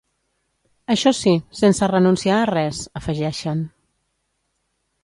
Això sí, sense renunciar a res, afegeixen.